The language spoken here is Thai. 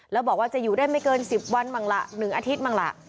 แล้วบอกว่าจะอยู่ได้ไม่เกิน๑๐วันบ้างละ๑อาทิตย์มั่งล่ะ